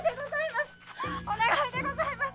お願いでございます！